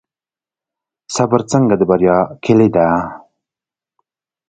صبر څنګه د بریا کیلي ده؟